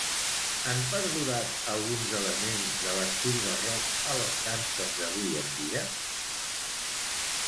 Han perdurat alguns elements de l'estil barroc a les danses d'avui en dia?